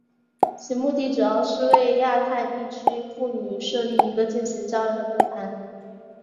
其目的主要是为亚太地区妇女设立一个进行交流的论坛。